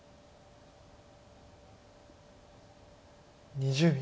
２０秒。